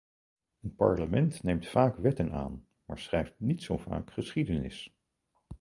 Een parlement neemt vaak wetten aan, maar schrijft niet zo vaak geschiedenis.